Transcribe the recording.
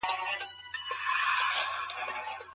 تا دوې کورنۍ سره دښمناني کړلې.